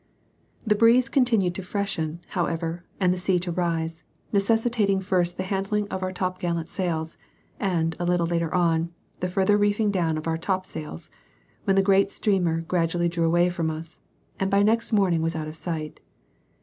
The breeze continued to freshen, however, and the sea to rise, necessitating first the handing of our topgallant sails, and, a little later on, the further reefing down of our topsails, when the great steamer gradually drew away from us, and by next morning was out of sight.